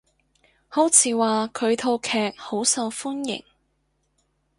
好似話佢套劇好受歡迎？